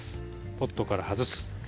ポットから外す。